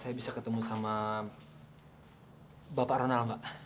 saya bisa ketemu sama bapak ronald mbak